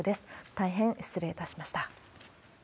大変失礼いたしました。